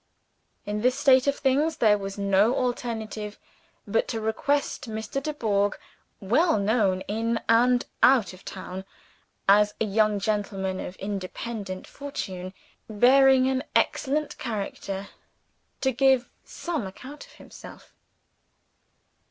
In this state of things, there was no alternative but to request Mr. Dubourg well known in, and out of the town, as a young gentleman of independent fortune; bearing an excellent character to give some account of himself.